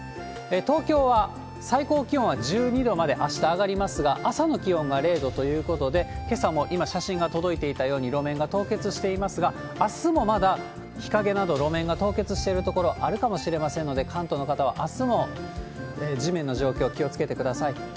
東京は最高気温は１２度まで、あした上がりますが、朝の気温が０度ということで、けさも今写真が届いていたように、路面が凍結していますが、あすもまだ日陰など、路面が凍結している所あるかもしれませんので、関東の方はあすも地面の状況気をつけてください。